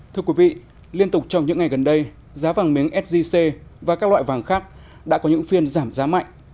thưa quý vị liên tục trong những ngày gần đây giá vàng miếng sgc và các loại vàng khác đã có những phiên giảm giá mạnh